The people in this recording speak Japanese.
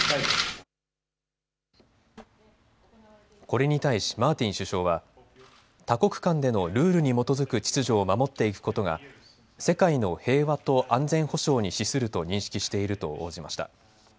これに対しマーティン首相は多国間でのルールに基づく秩序を守っていくことが世界の平和と安全保障に資すると認識していると応じました。